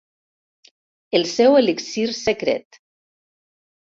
El seu elixir secret.